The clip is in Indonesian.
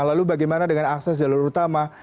lalu bagaimana dengan akses jalur utama